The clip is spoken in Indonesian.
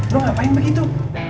lo ngapain begitu